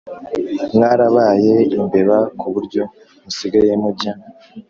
mwarabaye imbeba kuburyo musigaye mujya